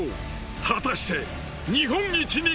果たして。